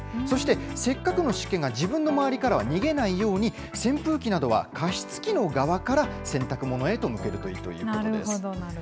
そしてせっかくの湿気が自分の周りからは逃げないように、扇風機などは加湿器の側から洗濯物へと向けるといいということです。